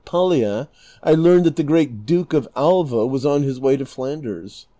Paglia, I learned that the great Duke of Alva was on his way to Flanders.'